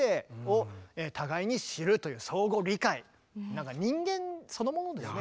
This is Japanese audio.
なんか人間そのものですね。